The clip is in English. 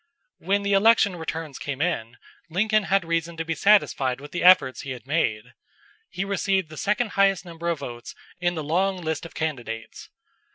When the election returns came in Lincoln had reason to be satisfied with the efforts he had made. He received the second highest number of votes in the long list of candidates.